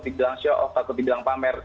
dibilang show off takut dibilang pamer